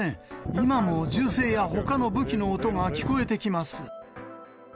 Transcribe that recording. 今も銃声やほかの武器の音が聞こえてきます。